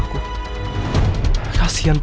lu harus kuat